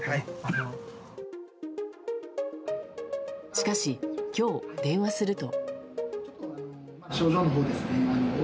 しかし、今日電話すると。